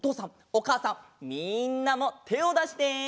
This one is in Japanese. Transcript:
おかあさんみんなもてをだして！